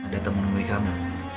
datang menemui kamu